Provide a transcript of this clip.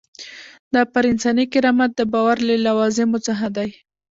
دا پر انساني کرامت د باور له لوازمو څخه دی.